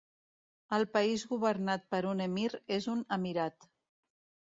El país governat per un emir és un emirat.